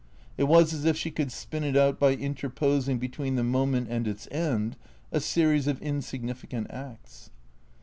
It was as if she could spin it out by inter posing between the moment and its end a series of insignificant acts.